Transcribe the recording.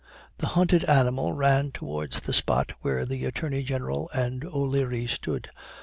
The hunted animal ran towards the spot where the Attorney General and O'Leary stood.